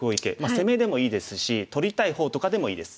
攻めでもいいですし取りたい方とかでもいいです。